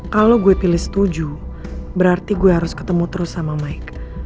kalau gue pilih setuju berarti gue harus ketemu terus sama mike